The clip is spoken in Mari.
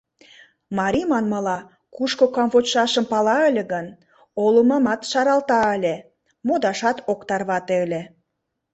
Марий манмыла, кушко камвочшашым пала ыле гын, олымымат шаралта ыле — модашат ок тарвате ыле.